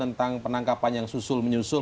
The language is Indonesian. tentang penangkapan yang susul menyusul